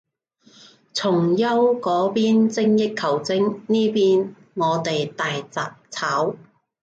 崇優嗰邊精益求精，呢邊我哋大雜炒